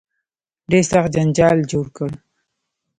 ډېر سخت جنجال جوړ کړ.